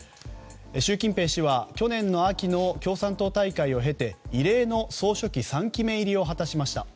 習近平氏は去年の秋の共産党大会を経て異例の総書記３期目入りを果たしました。